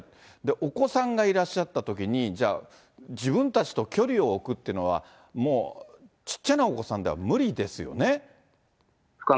お子さんがいらっしゃったときに、じゃあ、自分たちと距離を置くっていうのは、もう、ちっちゃなお子さんで不可能ですね。